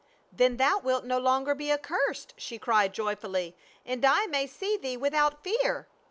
" Then thou wilt no longer be accursed," she cried joyfully, "and I may see thee without fear."